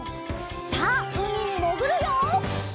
さあうみにもぐるよ！